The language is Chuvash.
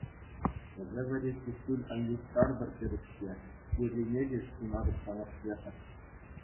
Эсӗ вӗри куҫҫуль ан юхтартӑр тетӗп-ҫке, ыррине ҫеҫ сунатӑп сана, Света.